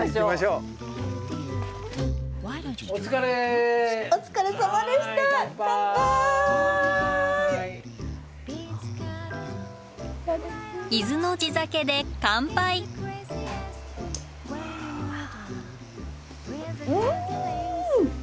うん！